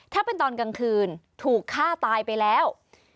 ถ้าเป็นตอนกลางคืนถูกฆ่าตายไปแล้ว